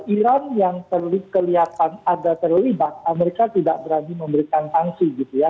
iran yang kelihatan ada terlibat amerika tidak berani memberikan sanksi gitu ya